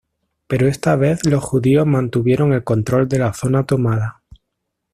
Pero esta vez los judíos mantuvieron el control de la zona tomada.